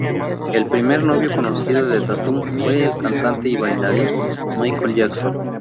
El primer novio conocido de Tatum fue el cantante y bailarín Michael Jackson.